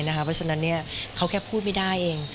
เพราะฉะนั้นเขาแค่พูดไม่ได้เอง